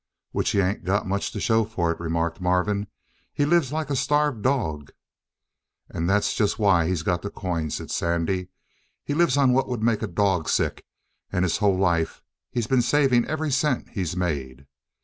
"Which he ain't got much to show for it," remarked Marvin. "He lives like a starved dog." "And that's just why he's got the coin," said Sandy. "He lives on what would make a dog sick and his whole life he's been saving every cent he's made.